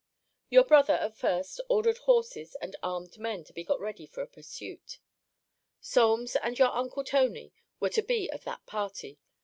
Your brother, at first, ordered horses and armed men to be got ready for a pursuit. Solmes and your uncle Tony were to be of the party.